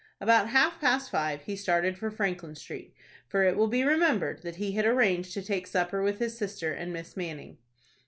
About half past five he started for Franklin Street, for it will be remembered that he had arranged to take supper with his sister and Miss Manning.